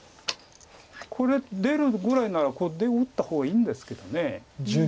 これ出るぐらいならこう出を打った方がいいんですけど。